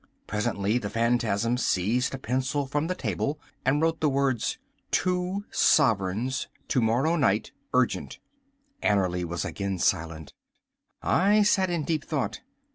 Presently the phantasm seized a pencil from the table, and wrote the words, 'Two sovereigns, to morrow night, urgent.'" Annerly was again silent. I sat in deep thought.